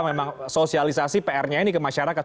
memang sosialisasi pr nya ini ke masyarakat